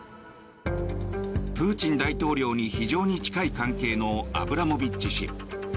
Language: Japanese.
プーチン大統領に非常に近い関係のアブラモビッチ氏。